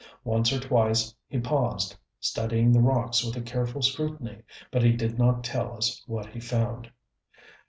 Once or twice he paused, studying the rocks with a careful scrutiny, but he did not tell us what he found.